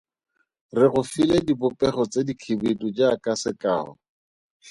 Re go file dibopego tse dikhibidu jaaka sekao.